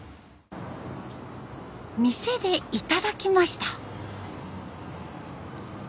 店で頂きました。